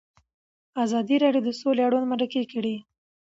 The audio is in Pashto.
ازادي راډیو د سوله اړوند مرکې کړي.